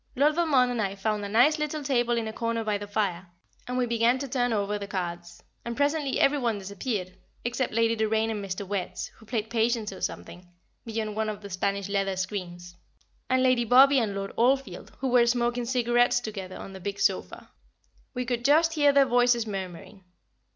[Sidenote: An Afternoon at Cards] Lord Valmond and I found a nice little table in a corner by the fire, and we began to turn over the cards, and presently every one disappeared, except Lady Doraine and Mr. Wertz, who played Patience or something, beyond one of the Spanish leather screens; and Lady Bobby and Lord Oldfield, who were smoking cigarettes together on the big sofa. We could just hear their voices murmuring.